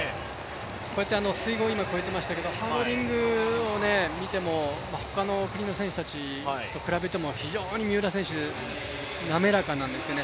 こうやって水濠を越えていましたけどハードリングを見ても、他の国の選手たちと比べても非常に三浦選手、滑らかなんですよね。